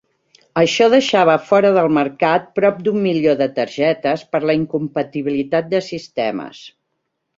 Això deixava fora del mercat prop d'un milió de targetes per la incompatibilitat de sistemes.